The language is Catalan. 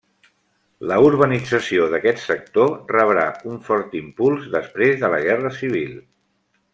La urbanització d'aquest sector rebrà un fort impuls després de la guerra civil.